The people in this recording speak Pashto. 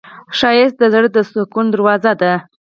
ښایست د زړه د سکون دروازه ده